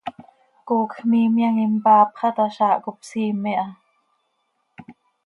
coocj miimyam impaapxa ta, zaah cop siime aha.